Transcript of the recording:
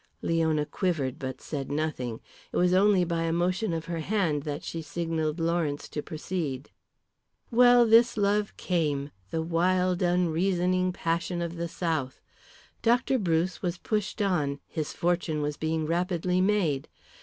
Leona quivered but said nothing. It was only by a motion of her hand that she signalled Lawrence to proceed. "Well, this love came the wild, unreasoning passion of the South. Dr. Bruce was pushed on, his fortune was being rapidly made.